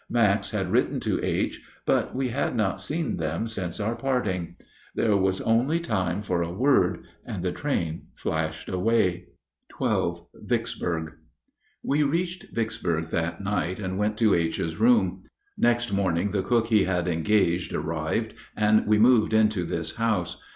Max had written to H., but we had not seen them since our parting. There was only time for a word and the train flashed away. XII VICKSBURG We reached Vicksburg that night and went to H.'s room. Next morning the cook he had engaged arrived, and we moved into this house.